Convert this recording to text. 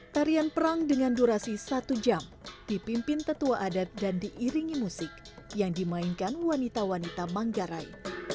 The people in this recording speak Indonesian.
tarian perang dengan durasi satu jam dipimpin tetua adat dan diiringi musik yang dimainkan wanita wanita manggarai